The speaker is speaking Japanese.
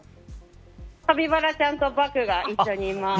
カピバラちゃんとバクが一緒にいます。